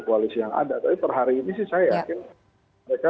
koalisi yang ada tapi per hari ini sih saya yakin mereka